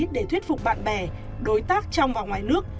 để thuyết phục bạn bè đối tác trong và ngoài nước